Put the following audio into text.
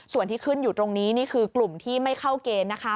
ส่วนที่ขึ้นอยู่ตรงนี้นี่คือกลุ่มที่ไม่เข้าเกณฑ์นะคะ